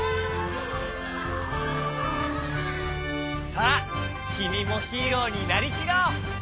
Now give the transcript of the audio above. さあきみもヒーローになりきろう！